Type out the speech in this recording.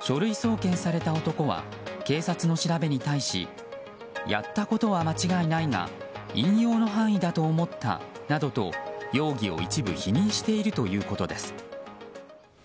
書類送検された男は警察の調べに対しやったことは間違いないが引用の範囲だと思ったなどと容疑を一部否認しているということです。